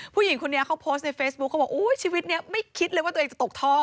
ผู้หญิงคนนี้เขาโพสต์ในเฟซบุ๊คเขาบอกอุ้ยชีวิตนี้ไม่คิดเลยว่าตัวเองจะตกท่อ